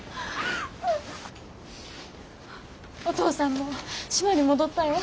お父さんも島に戻ったよ。